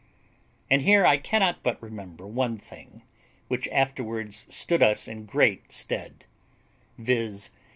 And here I cannot but remember one thing, which afterwards stood us in great stead, viz.